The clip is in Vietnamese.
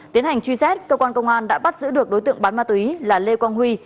tiến hành truy xét cơ quan công an đã bắt giữ được đối tượng bán ma túy là lê quang huy